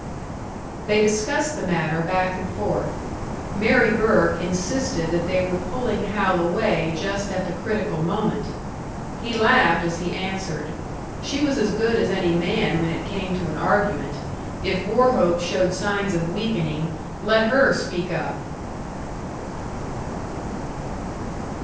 They discussed the matter back and forth. Mary Burke insisted that they were pulling Hal away just at the critical moment! He laughed as he answered. She was as good as any man when it came to an argument. If Wauchope showed signs of weakening, let her speak up!